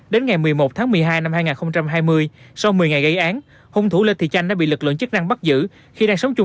đến ngày một mươi một tháng một mươi hai năm hai nghìn hai mươi sau một mươi ngày gây án hung thủ lê thị chanh đã bị lực lượng chức năng bắt giữ